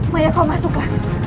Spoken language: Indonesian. maya kau masuklah